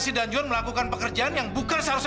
sebenernya ini kita dijaga lah bukan pastenya